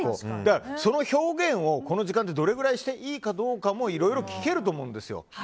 その表現をこの時間をどれくらいしていけるのかをいろいろ聞けると思うんですよ